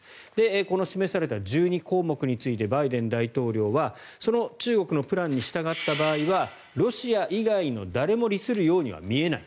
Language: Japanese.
この示された１２項目についてバイデン大統領はその中国のプランに従った場合はロシア以外の誰も利するようには見えない。